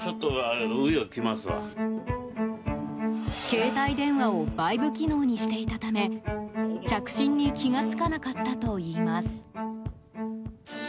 携帯電話をバイブ機能にしていたため着信に気が付かなかったといいます。